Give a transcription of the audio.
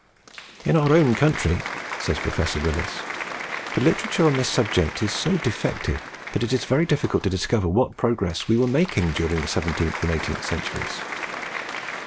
"In our own country," says Professor Willis, "the literature of this subject is so defective that it is very difficult to discover what progress we were making during the seventeenth and eighteenth centuries."